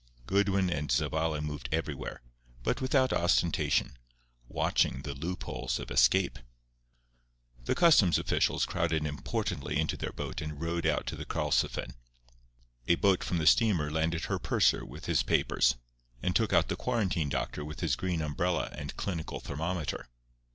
Goodwin and Zavalla moved everywhere, but without ostentation, watching the loopholes of escape. The customs officials crowded importantly into their boat and rowed out to the Karlsefin. A boat from the steamer landed her purser with his papers, and took out the quarantine doctor with his green umbrella and clinical thermometer.